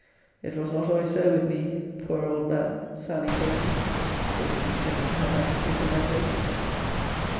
It was not always so with me, poor old man! Sally told me; saucily flinging her handkerchief in my face.